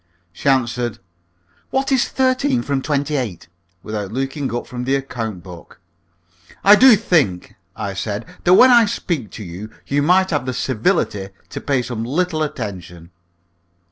She answered, "What is thirteen from twenty eight?" without looking up from the account book. "I do think," I said, "that when I speak to you you might have the civility to pay some little attention."